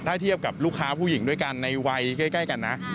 ถ้าเทียบกับลูกค้าผู้หญิงด้วยกันในวัยใกล้กันนะ